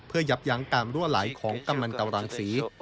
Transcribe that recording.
เพื่อยับยั้งการรั่วไหลของกำลังตรังศรี